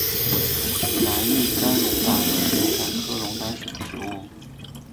蓝玉簪龙胆为龙胆科龙胆属的植物。